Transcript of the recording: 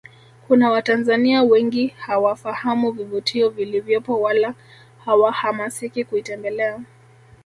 Kuna Watanzania wengi hawafahamu vivutio vilivyopo wala hawahamasiki kuitembelea